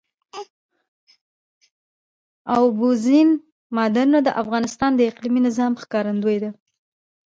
اوبزین معدنونه د افغانستان د اقلیمي نظام ښکارندوی ده.